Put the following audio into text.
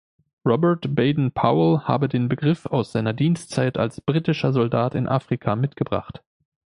Robert Baden-Powell habe den Begriff aus seiner Dienstzeit als britischer Soldat in Afrika mitgebracht.